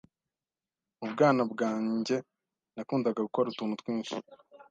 Mu bwana bwange nakundaga gukora utuntu twinshi,